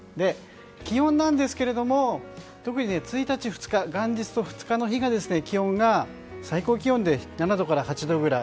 気温なんですけど特に元日、２日の日が気温が最高気温で７度から８度くらい。